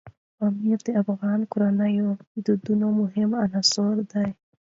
پامیر د افغان کورنیو د دودونو مهم عنصر دی.